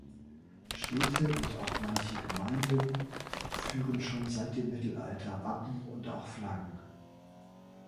Städte und auch manche Gemeinden führen schon seit dem Mittelalter Wappen und auch Flaggen.